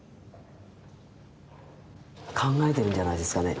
考えてるんじゃないですかね